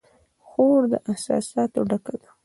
خور د احساساتو ډکه ده.